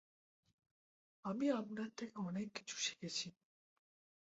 আমি আপনার থেকে অনেক কিছু শিখেছি।